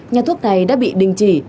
nhà thuốc này đã bị đình chỉ